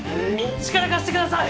力貸してください！